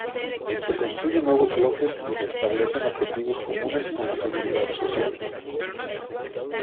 Se construyen nuevos bloques y se establecen objetivos comunes con la Seguridad Social.